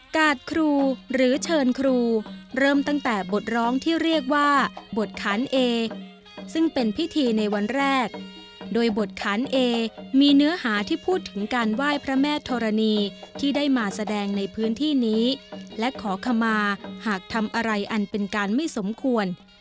กาดครูหรือเชิญครูเริ่มตั้งแต่บทร้องที่เรียกว่าบทขานเอซึ่งเป็นพิธีในวันแรกโดยบทขานเอมีเนื้อหาที่พูดถึงการไหว้พระแม่ธรณีที่ได้มาแสดงในพื้นที่นี้และขอขมาหากทำอะไรอันเป็นการไม่สมควร